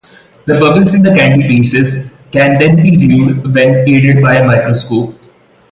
The bubbles in the candy pieces can be viewed when aided by a microscope.